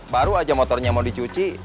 baru aja motornya mau dicuci